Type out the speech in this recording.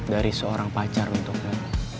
dari seorang pacar bentuknya